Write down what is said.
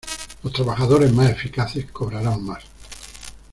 Los trabajadores más eficaces cobrarán más.